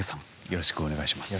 よろしくお願いします。